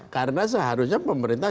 karena seharusnya pemerintah